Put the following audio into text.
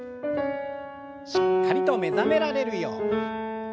しっかりと目覚められるように。